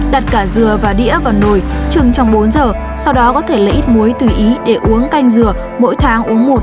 đặt cả dừa và đĩa vào nồi chừng trong bốn giờ sau đó có thể lấy ít muối tùy ý để uống canh dừa mỗi tháng uống một